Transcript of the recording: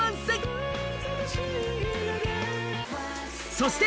そして